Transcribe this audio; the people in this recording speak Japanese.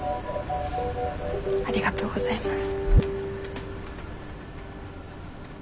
ありがとうございます。